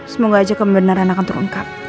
semoga aja kebenaran akan terungkap